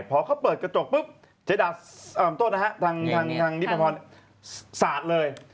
พอเขาเปิดกระจกเจ๊ดาสาดเลย